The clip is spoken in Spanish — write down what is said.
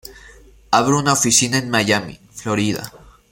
Abre una oficina en Miami, Florida.